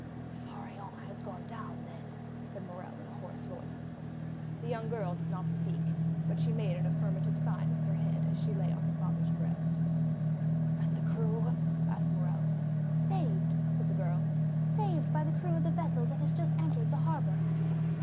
"The Pharaon has gone down, then?" said Morrel in a hoarse voice. The young girl did not speak; but she made an affirmative sign with her head as she lay on her father's breast. "And the crew?" asked Morrel. "Saved," said the girl; "saved by the crew of the vessel that has just entered the harbor."